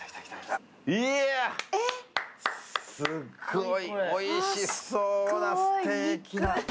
いや、すっごいおいしそうなステーキだ。